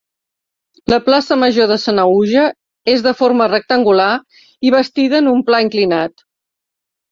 La plaça Major de Sanaüja és de forma rectangular i bastida en un pla inclinat.